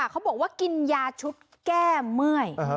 เขาบอกว่ากินยาชุดแก้เมื่อย